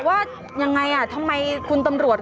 ว่ายังไงทำไมคุณตำรวจ